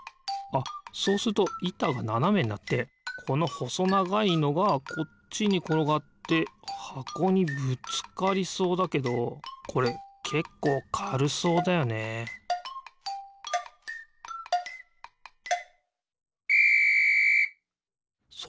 あっそうするといたがななめになってこのほそながいのがこっちにころがってはこにぶつかりそうだけどこれけっこうかるそうだよねピッ！